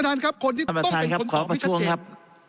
ท่านประธานครับขอประชวนครับ